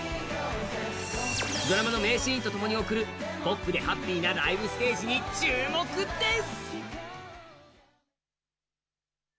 ドラマの名シーンとともに送るポップでハッピーなライブステージに注目です。